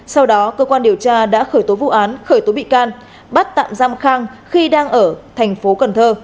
sau đó cơ quan điều tra đã khởi tố vụ án khởi tố bị can bắt tạm giam khang khi đang ở tp cn